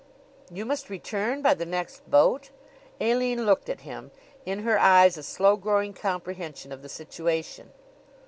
'" "You must return by the next boat?" Aline looked at him, in her eyes a slow growing comprehension of the situation.